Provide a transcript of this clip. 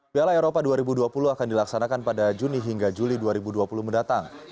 piala eropa dua ribu dua puluh akan dilaksanakan pada juni hingga juli dua ribu dua puluh mendatang